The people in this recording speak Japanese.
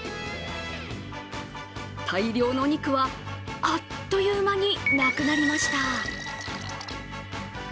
大量のお肉はあっという間になくなりました。